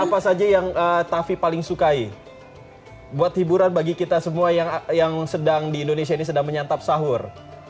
apa saja yang tavi paling sukai buat hiburan bagi kita semua yang sedang di indonesia ini sedang menyantap sahur